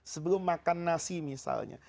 sebelum makan nasi misalnya